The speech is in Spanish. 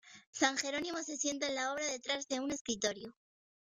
San Jerónimo se sienta en la obra detrás de un escritorio.